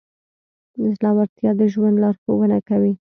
زړهورتیا د ژوند لارښوونه کوي.